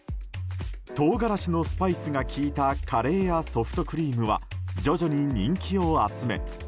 トウガラシのスパイスが効いたカレーやソフトクリームは徐々に人気を集め